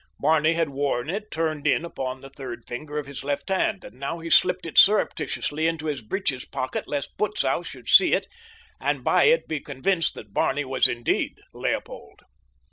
Barney had worn it turned in upon the third finger of his left hand, and now he slipped it surreptitiously into his breeches pocket lest Butzow should see it and by it be convinced that Barney was indeed Leopold.